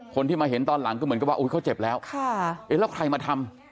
คนที่มาเห็นตอนหลังก็เหมือนกับว่าเขาเจ็บแล้วแล้วใครมาทำ